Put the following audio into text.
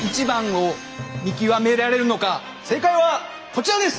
では正解はこちらです！